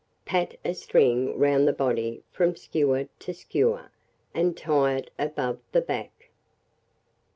Pat a string round the body from skewer to skewer, and tie it above the back.